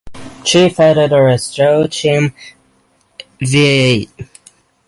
Chief editor is Joachim Veit.